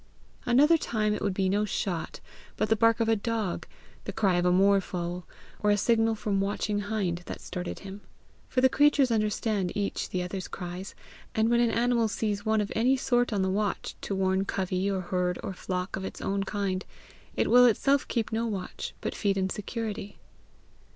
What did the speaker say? Another time it would be no shot, but the bark of a dog, the cry of a moorfowl, or a signal from watching hind that started him; for the creatures understand each the other's cries, and when an animal sees one of any sort on the watch to warn covey or herd or flock of its own kind, it will itself keep no watch, but feed in security.